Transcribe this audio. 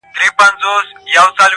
• ځيني يې سخت واقعيت بولي ډېر..